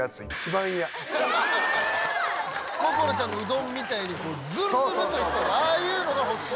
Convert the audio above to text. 心ちゃんのうどんみたいにズルズル！っていうのが欲しい。